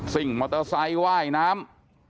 มอเตอร์ไซค์ว่ายน้ำ